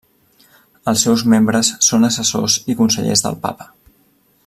Els seus membres són assessors i consellers del Papa.